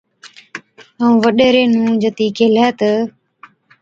ائُون وڏيري نُون جتِي ڪيهلَي تہ،